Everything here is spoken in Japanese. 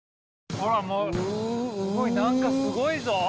あらまあすごい何かすごいぞ！